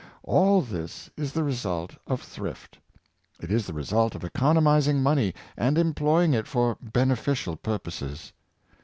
All this is the result of thrift. It is the result of economizing money, and employing it for beneficial purposes.